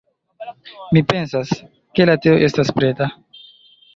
Mi pensas, ke la teo estas preta?